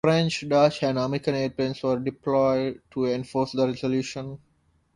French, Dutch and American airplanes were deployed to enforce the resolution.